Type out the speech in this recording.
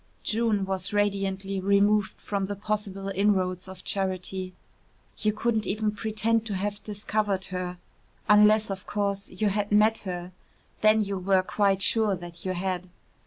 June was radiantly removed from the possible inroads of charity. You couldn't even pretend to have discovered her unless, of course, you had met her then you were quite sure that you had.